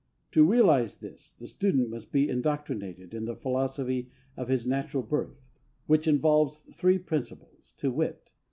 To realise this, the student must be indoctrinated in the philosophy of his natural birth, which involves three principles; viz.